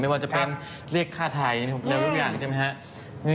ไม่ว่าจะเป็นเรียกค่าไทด้วยเรื่องจริงใช่ไหมฮะ